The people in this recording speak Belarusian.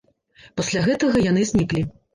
Пасля гэтага яны зніклі.